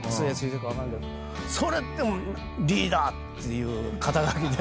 それでリーダーっていう肩書で。